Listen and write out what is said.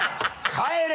帰れ！